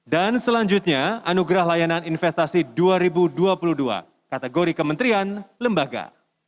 dan selanjutnya anugerah layanan investasi dua ribu dua puluh dua kategori kementerian lembaga